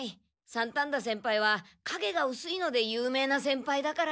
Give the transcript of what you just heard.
三反田先輩はかげがうすいので有名な先輩だから。